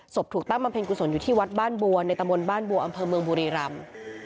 ถูกตั้งบำเพ็ญกุศลอยู่ที่วัดบ้านบัวในตำบลบ้านบัวอำเภอเมืองบุรีรำ